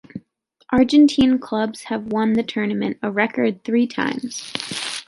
Argentine clubs have won the tournament a record three times.